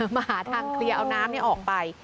มาหาทางเคลียร์เอาน้ำออกไป